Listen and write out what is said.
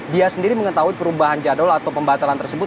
dia sendiri mengetahui perubahan jadwal atau pembatalan tersebut